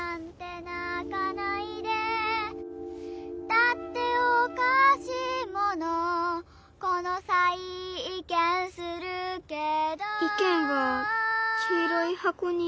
「だっておかしいものこのさい意見するけど」意見はきいろいはこに。